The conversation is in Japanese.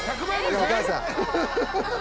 お母さん。